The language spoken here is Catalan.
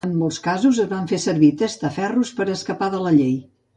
En molts casos es fan servir testaferros per escapar de la llei.